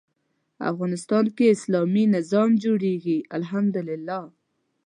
افغانستان کې اسلامي نظام جوړېږي الحمد لله.